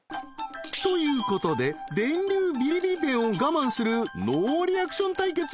［ということで電流ビリビリペンを我慢するノーリアクション対決］